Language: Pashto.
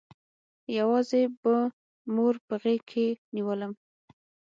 يوازې به مور په غېږ کښې نېولم.